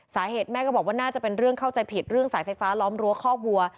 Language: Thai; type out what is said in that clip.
สาเหตุแม่ก็บอกว่าน่าจะเป็นเรื่องเข้าใจผิดเรื่องสายไฟฟ้าล้อมรั้วคอกวัว